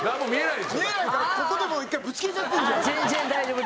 見えないからここでもう１回ぶつけちゃってるじゃん。